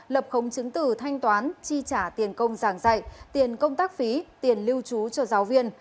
lập khống chứng tử thanh toán chi trả tiền công giảng dạy tiền công tác phí tiền lưu trú cho giáo viên